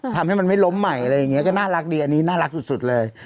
ทำให้มันไม่ล้มใหม่อะไรอย่างนี้ก็น่ารักดีอันนี้น่ารักสุดเลย